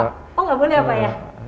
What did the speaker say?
oh nggak boleh apa ya